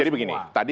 jadi begini tadi